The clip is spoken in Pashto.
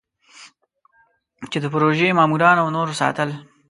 چې د پروژې ماموران او نور ساتل.